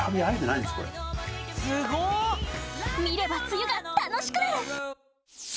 見れば梅雨が楽しくなる！